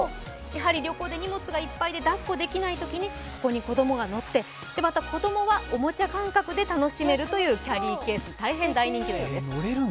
やはり旅行で荷物がいっぱいで抱っこができないときにここに子供が乗ってまた、子供はおもちゃ感覚で楽しめるというキャリーケース、大変大人気のようです。